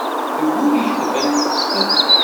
Deg wul-ik tebren testent.